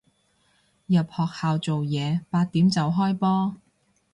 入學校做嘢，八點就開波